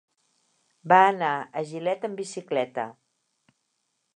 Va anar a Gilet amb bicicleta.